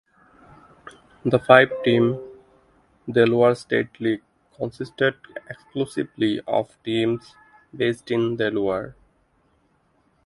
The five–team Delaware State League consisted exclusively of teams based in Delaware.